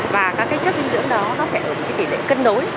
và các chất dinh dưỡng đó có thể ở một kỷ lệ cân đối